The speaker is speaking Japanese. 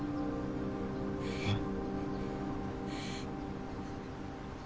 えっ？